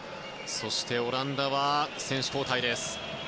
そして、オランダは選手交代です。